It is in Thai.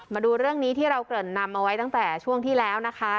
มาดูเรื่องนี้ที่เราเกริ่นนำเอาไว้ตั้งแต่ช่วงที่แล้วนะคะ